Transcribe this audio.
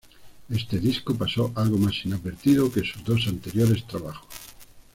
Este disco pasó algo más inadvertido que sus dos anteriores trabajos.